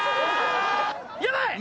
やばい！